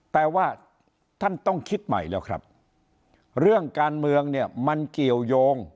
แต่ว่าท่านต้องคิดใหม่แล้วครับเรื่องการเมืองเนี่ยมันเกี่ยวยง